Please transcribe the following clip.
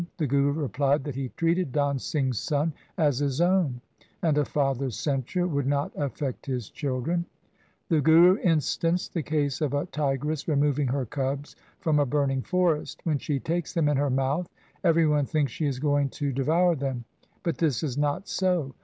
The Guru replied that he treated Dan Singh's son as his own, and a father's censure would not affect his children. The Guru instanced the case of a tigress removing her cubs from a burning forest. When she takes them in her mouth, every one thinks she is going to devour them, but this is not so.